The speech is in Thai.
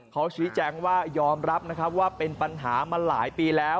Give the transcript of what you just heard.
เขาชี้แจงว่ายอมรับนะครับว่าเป็นปัญหามาหลายปีแล้ว